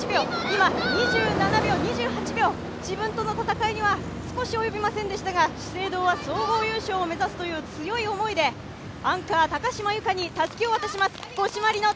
今、２７秒、２８秒、自分との戦いには及びませんでしたが、資生堂は総合優勝を目指すという強い思いで、アンカー・高島由香にたすきを渡します。